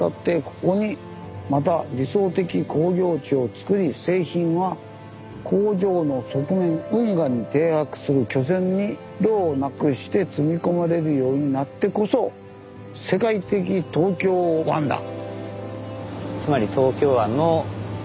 ここにまた理想的工業地をつくり製品は工場の側面運河に停泊する巨船に労なくして積み込まれるようになってこそ世界的東京湾だ」。